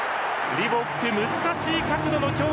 リボック、難しい角度の今日